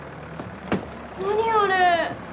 何あれ？